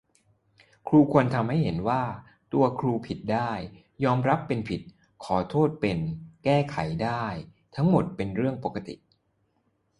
ครูควรทำให้เห็นว่า ตัวครูผิดได้ ยอมรับผิดเป็น ขอโทษเป็น แก้ไขได้ ทั้งหมดเป็นเรื่องปกติ